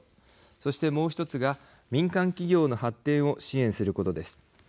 そして、もう１つが民間企業の発展を支援することです。